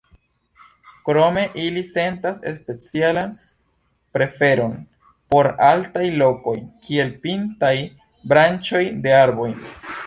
Krome ili sentas specialan preferon por altaj lokoj, kiel pintaj branĉoj de arboj.